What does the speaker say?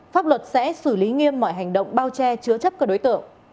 pháp luật sẽ xử lý nghiêm mọi hành động bao che chứa chấp các đối tượng